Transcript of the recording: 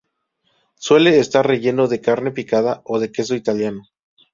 Suele estar relleno de carne picada o de queso italiano.